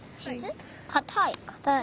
かたい。